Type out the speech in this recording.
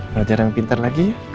belajar yang pintar lagi